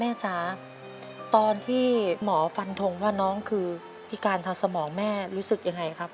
จ๋าตอนที่หมอฟันทงว่าน้องคือพิการทางสมองแม่รู้สึกยังไงครับ